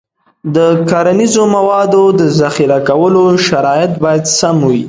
د کرنیزو موادو د ذخیره کولو شرایط باید سم وي.